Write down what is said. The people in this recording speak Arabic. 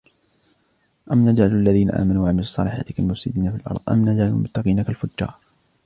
أم نجعل الذين آمنوا وعملوا الصالحات كالمفسدين في الأرض أم نجعل المتقين كالفجار